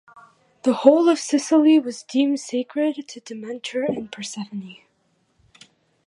The whole of Sicily was deemed sacred to Demeter and Persephone.